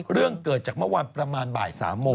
เรื่องเกิดจากเมื่อวานประมาณบ่าย๓โมง